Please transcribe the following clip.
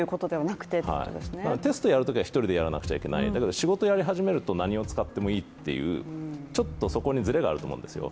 テストやるときは一人でやらなきゃいけない、だけど仕事をやるときは何を使ってもいいっていう、ちょっとそこにずれがあると思うんですよ。